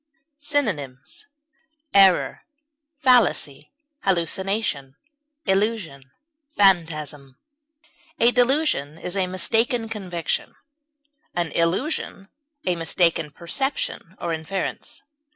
Synonyms: error, fallacy, hallucination, illusion, phantasm. A delusion is a mistaken conviction, an illusion a mistaken perception or inference.